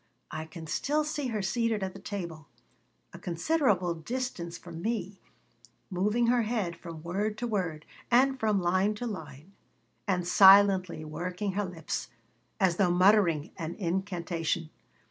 I can still see her seated at the table, a considerable distance from me, moving her head from word to word and from line to line, and silently working her lips, as though muttering an incantation.